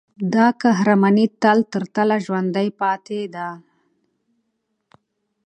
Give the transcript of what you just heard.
دا قهرماني تله ترتله ژوندي پاتې ده.